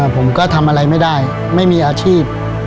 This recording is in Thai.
ผมก็ทำอะไรไม่ได้ไม่มีอาชีพ